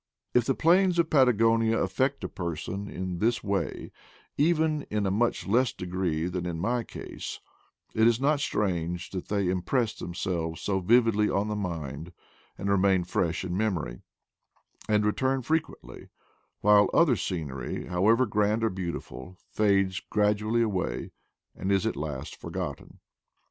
If the plains of Patagonia affect a person in this way, even in a much less degree than in my case, it is not strange that they impress themselves so vividly on the mind, and remain fresh in memory, and return frequently; while other scenery, how ever grand or beautiful, fades gradually away, and is at last forgotten.